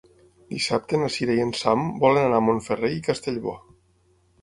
Dissabte na Cira i en Sam volen anar a Montferrer i Castellbò.